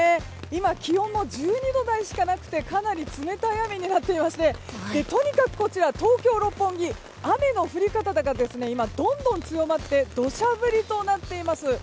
今、気温が１２度台しかなくてかなり冷たい雨になっていましてとにかく東京・六本木雨の降り方が今、どんどん強まって土砂降りとなっています。